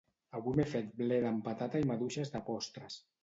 Avui m'he fet bleda amb patata i maduixes de postres.